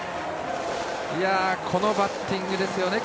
このバッティングですよね